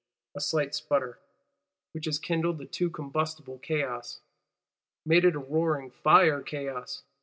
A slight sputter;—which has kindled the too combustible chaos; made it a roaring fire chaos!